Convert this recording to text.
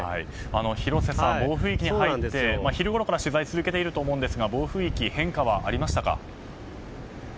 広瀬さん、暴風域に入って昼ごろから取材を続けて暴風域に変化はありましたか。